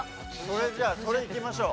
それじゃあそれいきましょう。